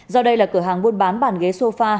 do đây là cửa hàng buôn bán bàn ghế sofa